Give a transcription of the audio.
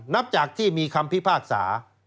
นับจากที่มีคำพิพากษา